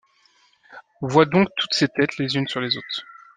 Vois donc toutes ces têtes les unes sur les autres.